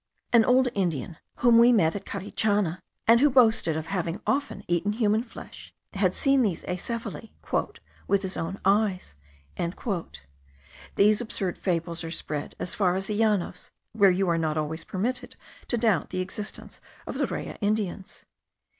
An old Indian, whom we met at Carichana, and who boasted of having often eaten human flesh, had seen these acephali "with his own eyes." These absurd fables are spread as far as the Llanos, where you are not always permitted to doubt the existence of the Raya Indians.